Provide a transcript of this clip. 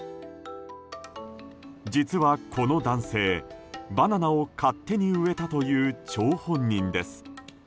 実はこの男性、バナナを勝手に植えたという張本人です。